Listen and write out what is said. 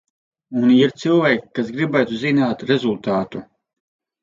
Un ir cilvēki, kas gribētu zināt rezultātu.